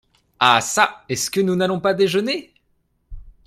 Ah ça ! est-ce que nous n’allons pas déjeuner ?